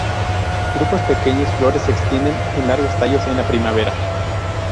Grupos de pequeñas flores se extienden en largos tallos en la primavera.